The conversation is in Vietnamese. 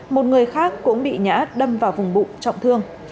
một người khác cũng bị ngã đâm vào vùng bụng trọng thương